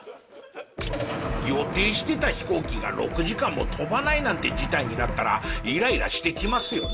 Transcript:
予定してた飛行機が６時間も飛ばないなんて事態になったらイライラしてきますよね。